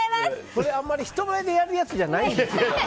これ、あんまり人前でやるやつじゃないんです。